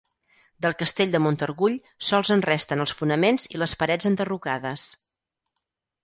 Del Castell de Montargull sols en resten els fonaments i les parets enderrocades.